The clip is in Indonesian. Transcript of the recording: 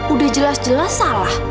udah jelas jelas salah